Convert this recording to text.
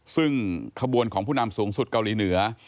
ซึ่งขบวนของผู้นำสูงสุดเกาหลีเหนือ